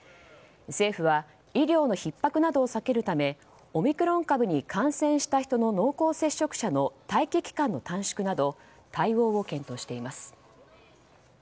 政府は医療のひっ迫などを避けるためオミクロン株に感染した人の濃厚接触者の待機期間の短縮など対応を検討しています。